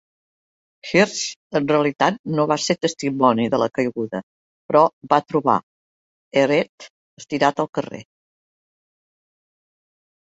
Hirsch, en realitat, no va ser testimoni de la caiguda, però va trobar Ehret estirat al carrer.